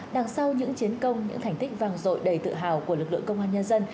đằng sau những chiến công những thành tích vang rội đầy tự hào của lực lượng công an nhân dân